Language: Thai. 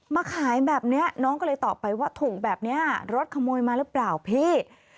มาขายแบบนี้น้องก็เลยตอบไปว่าถูกแบบนี้รถขโมยมาหรือเปล่าพี่